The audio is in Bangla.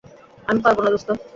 আমি পারবো না দোস্ত।